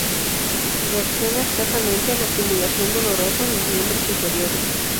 Reacciona escasamente a la estimulación dolorosa en los miembros inferiores...".